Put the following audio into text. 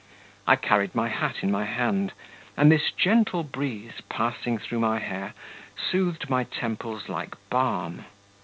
I carried my hat in my hand, and this gentle breeze, passing through my hair, soothed my temples like balm.